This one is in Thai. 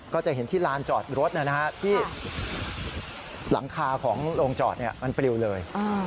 ก็จะเห็นที่ลานจอดรถที่หลังคาของโรงจอดมันปลิวเลย